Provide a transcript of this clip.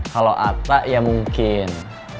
kalau atta ya mungkin